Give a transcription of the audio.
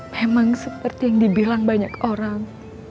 memang seperti yang dibilang banyak orang